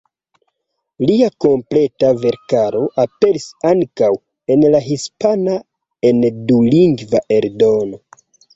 Lia kompleta verkaro aperis ankaŭ en la hispana en dulingva eldono.